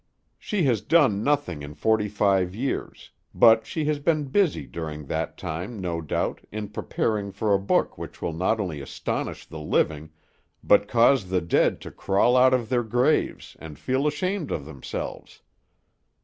She has done nothing in forty five years; but she has been busy during that time, no doubt, in preparing for a book which will not only astonish the living, but cause the dead to crawl out of their graves, and feel ashamed of themselves.